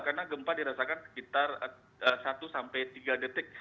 karena gempa dirasakan sekitar satu tiga detik